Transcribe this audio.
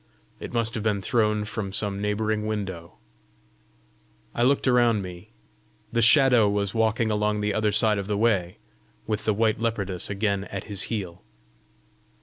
It must have been thrown from some neighbouring window! I looked around me: the Shadow was walking along the other side of the way, with the white leopardess again at his heel!